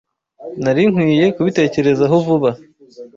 Nari nkwiye kubitekerezaho vuba.